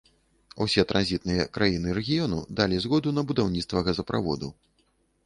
Усе транзітныя краіны рэгіёну далі згоду на будаўніцтва газаправоду.